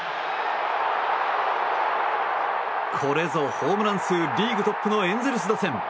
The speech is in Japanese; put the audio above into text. これぞホームラン数リーグトップのエンゼルス打線。